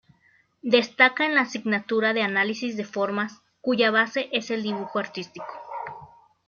Destaca en la asignatura de análisis de formas cuya base es el dibujo artístico.